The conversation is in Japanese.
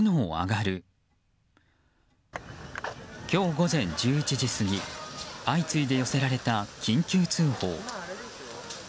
今日午前１１時過ぎ相次いで寄せられた緊急通報。